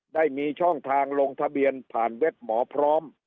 ได้มีช่องทางลงทะเบียนผ่านเว็บหมอพร้อม